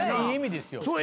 いい意味ですよ。